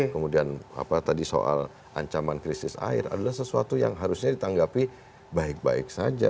kemudian apa tadi soal ancaman krisis air adalah sesuatu yang harusnya ditanggapi baik baik saja